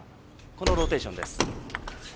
このローテーションです。